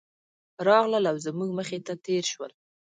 راغلل او زموږ مخې ته تېر شول.